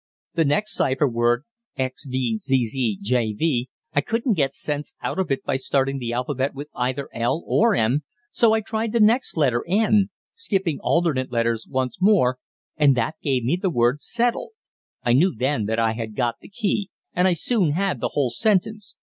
The next cypher word, xvzzjv, I couldn't get sense out of by starting the alphabet with either 'l' or 'm,' so I tried the next letter, 'n,' skipping alternate letters once more, and that gave me the word 'settle.' I knew then that I had got the key, and I soon had the whole sentence.